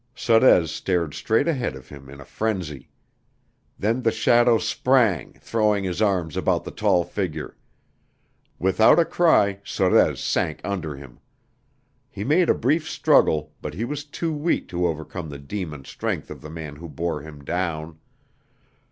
Sorez stared straight ahead of him in a frenzy. Then the shadow sprang, throwing his arms about the tall figure. Without a cry Sorez sank under him. He made a brief struggle but he was too weak to overcome the demon strength of the man who bore him down.